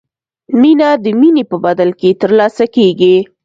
مینه د مینې په بدل کې ترلاسه کیږي.